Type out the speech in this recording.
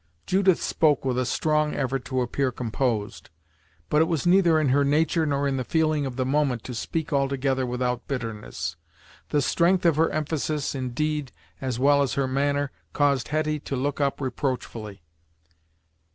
Judith spoke with a strong effort to appear composed, but it was neither in her nature, nor in the feeling of the moment to speak altogether without bitterness. The strength of her emphasis, indeed, as well as her manner, caused Hetty to look up reproachfully.